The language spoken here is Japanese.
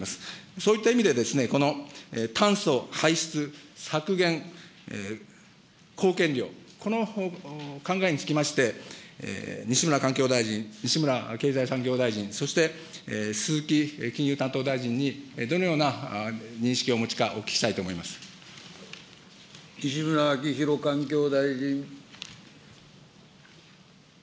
そういった意味で、炭素排出削減貢献量、この考えにつきまして、西村環境大臣、西村経済産業大臣、そしてすずき金融担当大臣にどのような認識をお持ちかお聞きした西村明宏環境大臣。